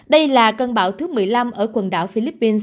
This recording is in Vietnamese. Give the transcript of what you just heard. đây là cơn bão thứ một mươi năm ở quần đảo philippines